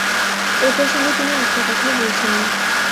এই প্রসঙ্গে তিনি একটি কথাও বলছেন না।